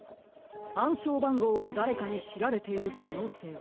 あんしょうばんごうをだれかにしられているかのうせいは？